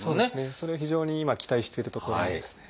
それは非常に今期待しているところですね。